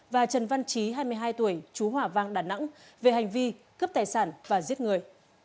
và trần văn trí hai mươi hai tuổi chú hỏa vang đà nẵng về hành vi cướp tài sản và giết người